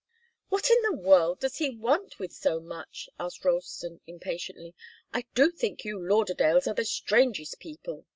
"What in the world does he want with so much?" asked Ralston, impatiently. "I do think you Lauderdales are the strangest people!